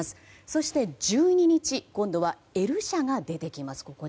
そして１２日今度は、Ｌ社が出てきます。